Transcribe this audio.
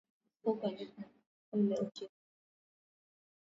Alifungwa jela kwa miaka ishirini.